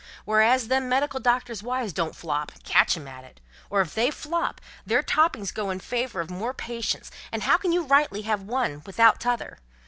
Whereas them medical doctors' wives don't flop catch 'em at it! Or, if they flop, their floppings goes in favour of more patients, and how can you rightly have one without t'other?